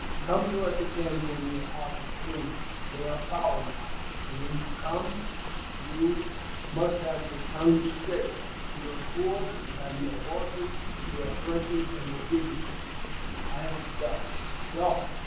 Come to us again when your hearts are clean : they are foul now ; and when you come, you b 1 256 AUTOBIOGBAPHY OF must have your tongues straight. You are poor ; you have no horses. We have plenty, and will give you horses. I have done. Go